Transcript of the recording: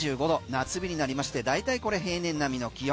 夏日になりまして大体これ、平年並みの気温。